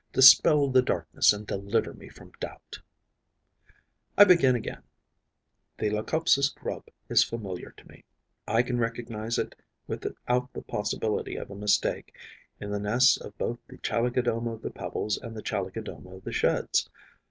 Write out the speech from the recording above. Dispel the darkness and deliver me from doubt! I begin again. The Leucopsis grub is familiar to me; I can recognize it, without the possibility of a mistake, in the nests of both the Chalicodoma of the Pebbles and the Chalicodoma of the Sheds.